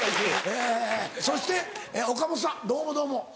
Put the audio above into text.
えそして岡本さんどうもどうも。